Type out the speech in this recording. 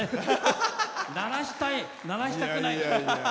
鳴らしたい、鳴らしたくない。